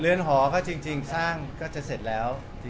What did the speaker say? หอก็จริงสร้างก็จะเสร็จแล้ว